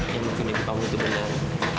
yang mungkin itu kamu itu benar